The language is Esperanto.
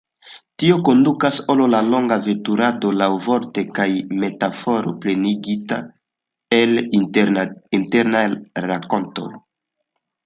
Tio kondukas al longa veturado, laŭvorte kaj metafore, plenigita el internaj rakontoj.